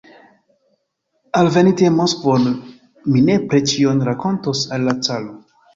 Alveninte Moskvon, mi nepre ĉion rakontos al la caro.